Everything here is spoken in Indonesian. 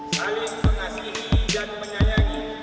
saling mengasihi dan menyayangi